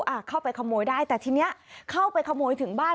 อ่ะเข้าไปขโมยได้แต่ทีนี้เข้าไปขโมยถึงบ้าน